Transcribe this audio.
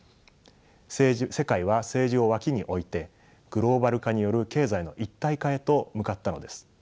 世界は政治を脇に置いてグローバル化による経済の一体化へと向かったのです。